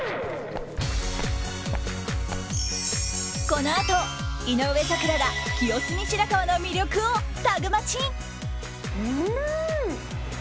このあと、井上咲楽が清澄白河の魅力をタグマチ。